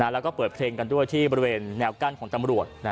แล้วก็เปิดเพลงกันด้วยที่บริเวณแนวกั้นของตำรวจ